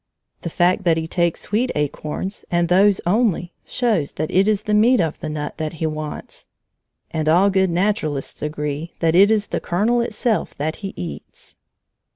The fact that he takes sweet acorns, and those only, shows that it is the meat of the nut that he wants. And all good naturalists agree that it is the kernel itself that he eats.